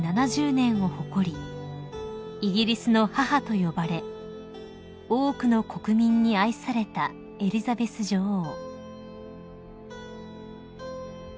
７０年を誇りイギリスの母と呼ばれ多くの国民に愛されたエリザベス女王］